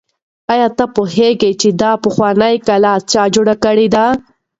آیا ته پوهېږې چې دا پخوانۍ کلا چا جوړه کړې ده؟